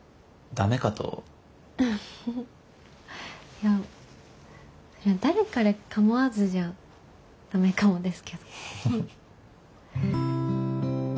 いや誰彼構わずじゃダメかもですけど。